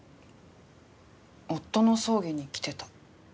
夫の葬儀に来てた。